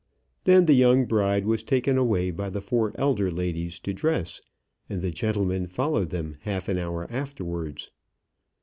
Then the young bride was taken away by the four elder ladies to dress, and the gentlemen followed them half an hour afterwards.